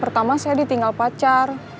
pertama saya ditinggal pacar